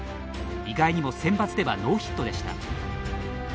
意外にも、センバツではノーヒットでした。